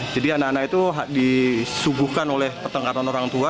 jadi anak anak itu disuguhkan oleh pertengkaran orang tua